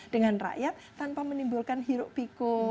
dengan rakyat tanpa menimbulkan hiruk pikul